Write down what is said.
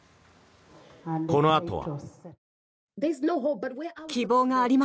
このあとは。